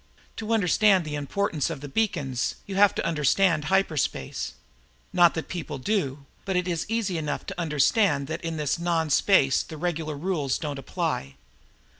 To understand the importance of the beacons, you have to understand hyperspace. Not that many people do, but it is easy enough to understand that in this non space the regular rules don't apply.